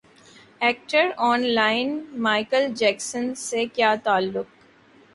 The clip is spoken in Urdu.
ایکٹر ان لا کا مائیکل جیکسن سے کیا تعلق